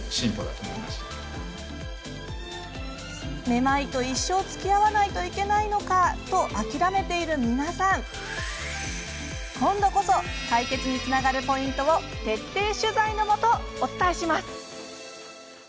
めまいと一生つきあわないといけないのかと諦めている皆さん今度こそ解決につながるポイントを徹底取材のもと、お伝えします。